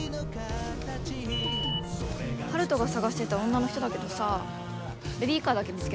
春風が捜してた女の人だけどさベビーカーだけ見つけた。